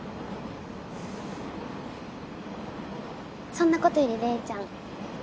そんなことより玲ちゃん